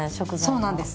そうなんです。